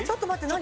何？